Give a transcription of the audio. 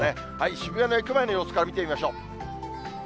渋谷の駅前の様子から見ていきましょう。